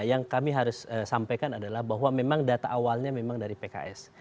yang kami harus sampaikan adalah bahwa memang data awalnya memang dari pks